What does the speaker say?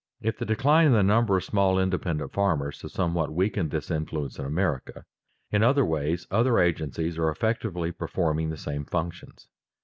If the decline in the number of small independent farmers has somewhat weakened this influence in America, in other ways other agencies are effectively performing the same functions.